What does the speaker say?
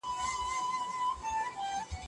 غلام هېڅکله په خپلو خبرو کې غرور نه درلود.